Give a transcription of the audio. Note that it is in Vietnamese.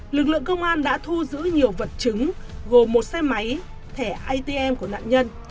lực lượng công an đã thu giữ nhiều vật chứng gồm một xe máy thẻ atm của nạn nhân